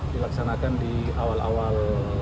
dilaksanakan di awal awal